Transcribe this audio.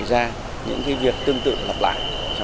tập trung tìm hiểu về luật pháp